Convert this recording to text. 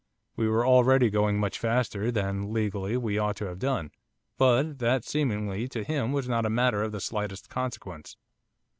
We were already going much faster than, legally, we ought to have done, but that, seemingly to him was not a matter of the slightest consequence.